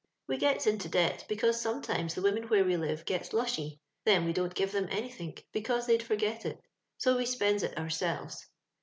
We gets into debt, because sometimes the women where we live sets lushy ; then we don't give them anythink, because they'd forget it, so we spends it our selves.